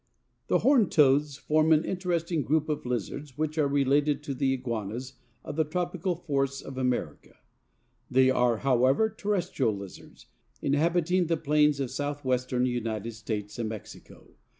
The Horned Toads form an interesting group of Lizards which are related to the iguanas of the tropical forests of America. They are, however, terrestrial lizards, inhabiting the plains of Southwestern United States and Mexico.